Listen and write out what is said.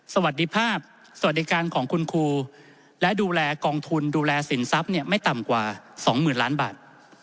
สวัสดีภาพสวัสดิการของคุณครูและดูแลกองทุนดูแลสินทรัพย์ไม่ต่ำกว่า๒๐๐๐ล้านบาท